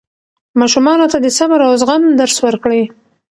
ماشومانو ته د صبر او زغم درس ورکړئ.